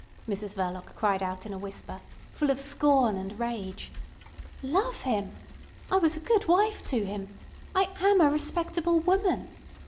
Mrs Verloc cried out in a whisper, full of scorn and rage. "Love him! I was a good wife to him. I am a respectable woman.